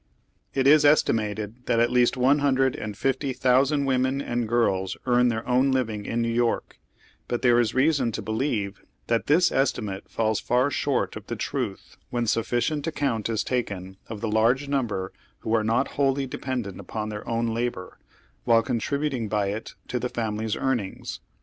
It is estimated that at least one hundred and fifty thousand women and girls earn their own living in New York ; but there is reason to believe that tliis estimate falls far short of the truth when sufficient account is taken of the large number who are nol; wholly dependent upon their own labor, while contributing by it to the fainily'a earnings.